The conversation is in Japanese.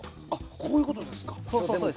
こういうことですか。